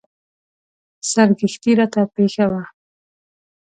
سرګښتۍ راته پېښه وه.